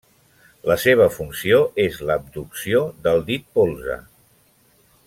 La seva funció és l'abducció del dit polze.